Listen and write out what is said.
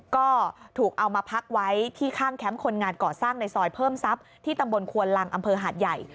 ก็ถูกเอามาพักไว้ที่ข้างแคมป์คนงานก่อสร้างในซอยเพิ่มทรัพย์ที่ตำบลควนลังอำเภอหาดใหญ่